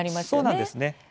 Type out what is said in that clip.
そうなんですね。